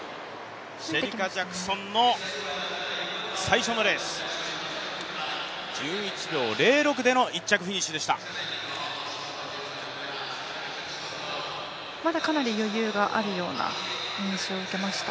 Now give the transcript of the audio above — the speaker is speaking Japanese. シェリカ・ジャクソンの最初のレース１１秒０６での１着フィニッシュでしたまだかなり余裕があるような印象を受けました。